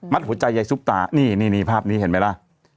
หัวใจยายซุปตานี่นี่ภาพนี้เห็นไหมล่ะ